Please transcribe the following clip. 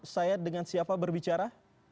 saya dengan siapa berbicara